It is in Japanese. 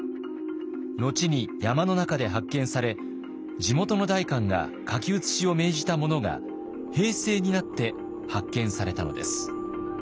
後に山の中で発見され地元の代官が書き写しを命じたものが平成になって発見されたのです。